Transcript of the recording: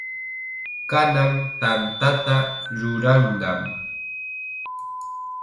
Kanan tantata ruranqam.